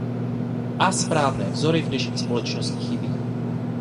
A správné vzory v dnešní společnosti chybí.